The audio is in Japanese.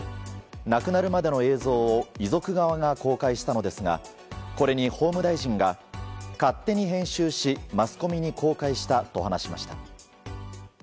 亡くなるまでの映像を遺族側が公開したのですがこれに、法務大臣が勝手に編集しマスコミに公開したと話しました。